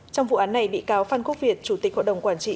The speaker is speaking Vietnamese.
trong vụ án này bị cáo phan quốc việt chủ tịch hội đồng quản trị